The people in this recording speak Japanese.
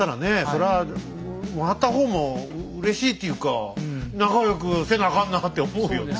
そらもらった方もうれしいっていうか仲良くせなあかんなって思うよね